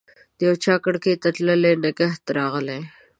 د یوچا کړکۍ ته تللي نګهت راغلی